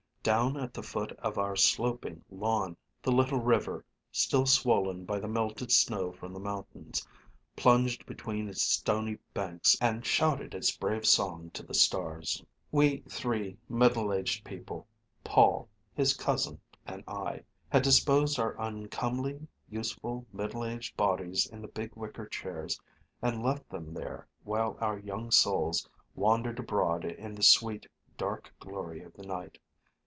Down at the foot of our sloping lawn the little river, still swollen by the melted snow from the mountains, plunged between its stony banks and shouted its brave song to the stars. We three middle aged people Paul, his cousin, and I had disposed our uncomely, useful, middle aged bodies in the big wicker chairs and left them there while our young souls wandered abroad in the sweet, dark glory of the night.